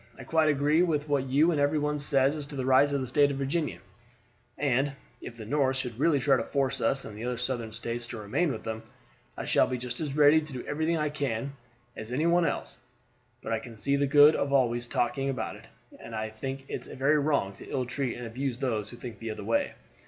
I quite agree with what you and every one say as to the rights of the State of Virginia, and if the North should really try to force us and the other Southern States to remain with them, I shall be just as ready to do everything I can as any one else; but I can't see the good of always talking about it, and I think it's very wrong to ill treat and abuse those who think the other way.